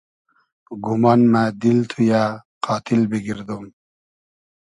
گومان مۂ دیل تو یۂ قاتیل بیگئردوم